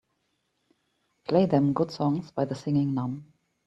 Play them good songs by The Singing Nun